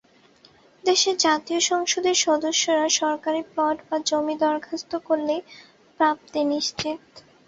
দেশের জাতীয় সংসদের সদস্যরা সরকারি প্লট বা জমি দরখাস্ত করলেই প্রাপ্তি নিশ্চিত।